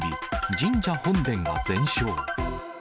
神社本殿が全焼。